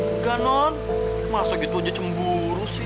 enggak non masa gitu aja cemburu sih